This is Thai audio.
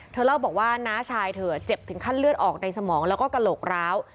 เล่าบอกว่าน้าชายเธอเจ็บถึงขั้นเลือดออกในสมองแล้วก็กระโหลกร้าว